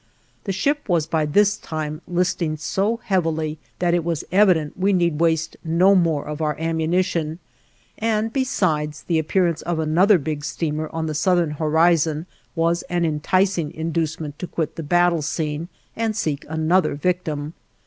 The ship was by this time listing so heavily that it was evident we need waste no more of our ammunition, and besides the appearance of another big steamer on the southern horizon was an enticing inducement to quit the battle scene and seek another victim.